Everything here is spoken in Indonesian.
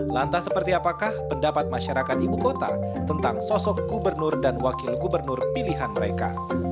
lantas seperti apakah pendapat masyarakat ibu kota tentang sosok gubernur dan wakil gubernur pilihan mereka